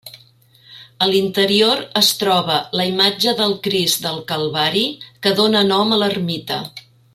A l'interior es troba la imatge del Crist del Calvari que dóna nom a l'ermita.